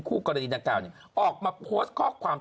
คู่กรณีดังกล่าวออกมาโพสต์ข้อความ